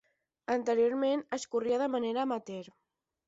Anteriorment es corria de manera amateur.